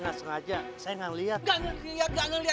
tidak ada ikutan undur aries